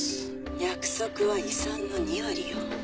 「約束は遺産の２割よ。